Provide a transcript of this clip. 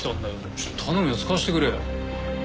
ちょっと頼むよ使わせてくれよ。